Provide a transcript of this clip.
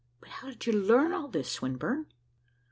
"But how did you learn all this, Swinburne?"